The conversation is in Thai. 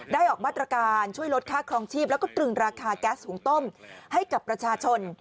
ออกมาตรการช่วยลดค่าครองชีพแล้วก็ตรึงราคาแก๊สหุงต้มให้กับประชาชน